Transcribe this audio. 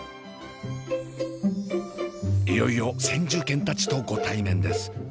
いよいよ先住犬たちとご対面です。